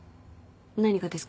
何がですか？